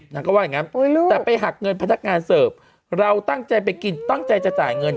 แต่ไปหักเงินพนักงานเซิร์ฟเราตั้งใจไปกินตั้งใจจะจ่ายเงิน